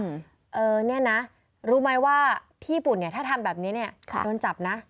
นี่นะรู้ไหมว่าที่ญี่ปุ่นถ้าทำแบบนี้โดนจับนะ